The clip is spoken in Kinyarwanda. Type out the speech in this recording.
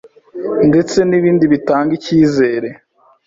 ndetse n'ibindi bitanga icyizere